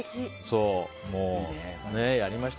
そう、やりました。